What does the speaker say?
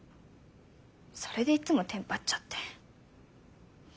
それでいつもテンパっちゃって。